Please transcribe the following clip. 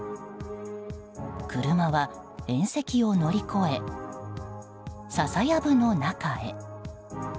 車は縁石を乗り越え笹やぶの中へ。